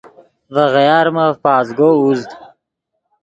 ڤے غیارمف پزگو اوزد